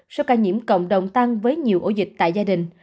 số ca nhiễm cộng đồng tăng với nhiều ổ dịch tại gia đình